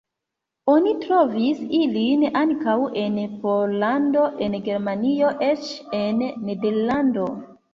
Oni trovis ilin ankaŭ en Pollando, en Germanio, eĉ en Nederlando.